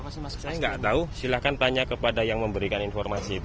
saya nggak tahu silahkan tanya kepada yang memberikan informasi itu